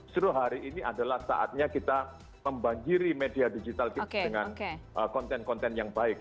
seru hari ini adalah saatnya kita membanjiri media digital kita dengan konten konten yang baik